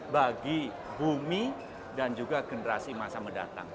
bagi bumi dan juga generasi masa mendatang